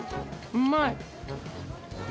うまい。